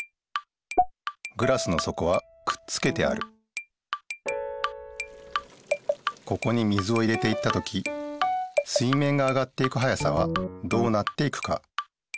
グラスのそこはくっつけてあるここに水を入れていった時水面が上がっていく速さはどうなっていくか。